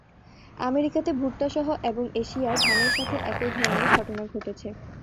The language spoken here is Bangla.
আমেরিকাতে ভুট্টা সহ এবং এশিয়ায় ধানের সাথে একই ধরনের ঘটনা ঘটেছে।